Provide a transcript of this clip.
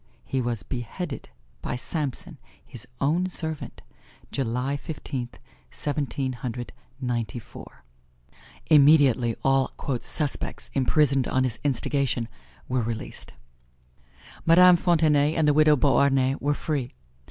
He was beheaded by Samson, his own servant, July Fifteenth, Seventeen Hundred Ninety four. Immediately all "suspects" imprisoned on his instigation were released. Madame Fontenay and the widow Beauharnais were free.